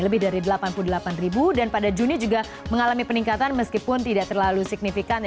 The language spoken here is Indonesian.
lebih dari delapan puluh delapan ribu dan pada juni juga mengalami peningkatan meskipun tidak terlalu signifikan